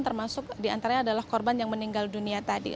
termasuk diantaranya adalah korban yang meninggal dunia tadi